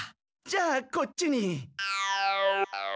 じゃあこっちに。